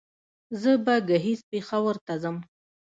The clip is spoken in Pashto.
زه به ګهيځ پېښور ته ځم